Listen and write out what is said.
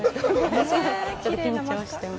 ちょっと緊張しています。